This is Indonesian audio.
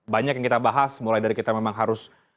banyak yang kita bahas mulai dari kita memang harus